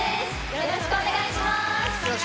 よろしくお願いします。